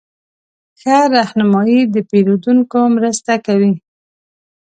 ښه رهنمایي د پیرودونکو مرسته کوي.